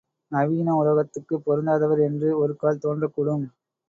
நவீன உலகத்துக்குப் பொருந்தாதவர் என்று ஒருக்கால் தோன்றக்கூடும்.